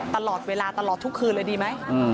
ตลอดเวลาตลอดทุกคืนเลยดีไหม